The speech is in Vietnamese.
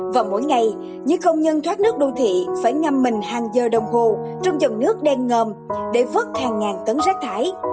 và mỗi ngày những công nhân thoát nước đô thị phải ngâm mình hàng giờ đồng hồ trong dòng nước đen ngầm để vớt hàng ngàn tấn rác thải